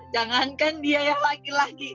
jangankan dia yang laki laki